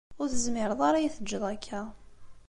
Ur tezmiṛeḍ ara ad iyi-teǧǧeḍ akka.